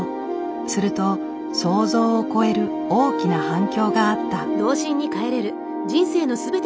すると想像を超える大きな反響があった。